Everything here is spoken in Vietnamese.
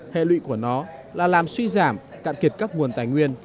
hệ lụy của nó là làm suy giảm cạn kiệt các nguồn tài nguyên